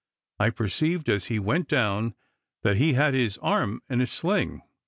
I perceived, as he went down, that he had his arm in a sling.